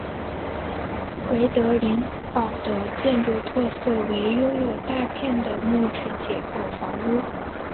奎德林堡的建筑特色为拥有大片的木质结构房屋。